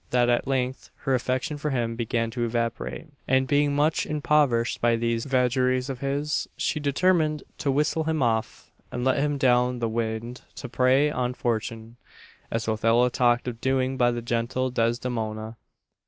That at length her affection for him began to evaporate, and, being much impoverished by these vagaries of his, she determined "To whistle him off, and let him down the wind to prey on fortune," as Othello talked of doing by the gentle Desdemona.